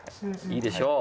いいでしょう。